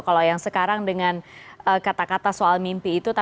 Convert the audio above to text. kalau yang sekarang dengan kata kata soal mimpi itu